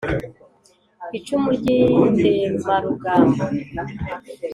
icumu ry' indemarugamba